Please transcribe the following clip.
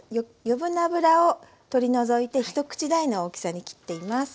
余分な脂を取り除いて一口大の大きさに切っています。